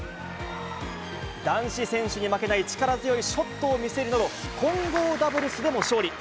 男子選手に負けない力強いショットを見せるなど、混合ダブルスでも勝利。